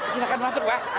silahkan masuk wak